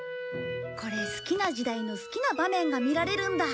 これ好きな時代の好きな場面が見られるんだ。